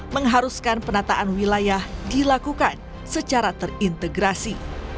mengharuskan penataan wilayah dilakukan secara terintegrasi